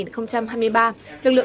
quý ba năm hai nghìn hai mươi ba